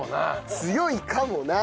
強いかもな。